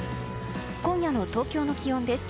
今夜の東京の気温です。